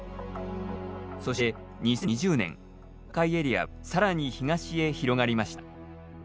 そして２０２０年、赤いエリアはさらに東へ広がりました。